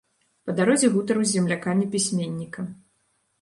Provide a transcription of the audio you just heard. Па дарозе гутару з землякамі пісьменніка.